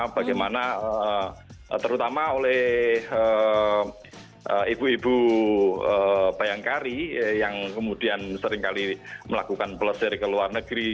bagaimana terutama oleh ibu ibu payangkari yang kemudian sering kali melakukan peles dari ke luar negeri